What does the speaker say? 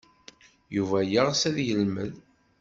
Yuba yeɣs ad yelmed.